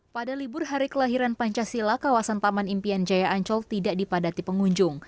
pada libur hari kelahiran pancasila kawasan taman impian jaya ancol tidak dipadati pengunjung